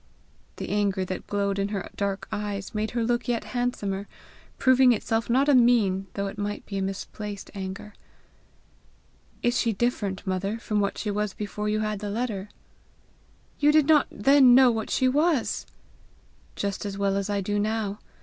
The anger that glowed in her dark eyes made her look yet handsomer, proving itself not a mean, though it might be a misplaced anger. "Is she different, mother, from what she was before you had the letter?" "You did not then know what she was!" "Just as well as I do now.